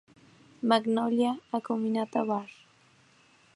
Magnolia acuminata var.